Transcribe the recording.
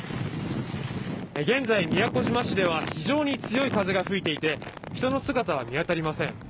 現在、宮古島市では非常に強い風が吹いていて人の姿は見当たりません。